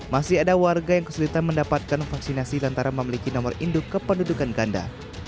masih ada warga yang kesulitan mendapatkan vaksinasi lantaran memiliki nomor induk kependudukan ganda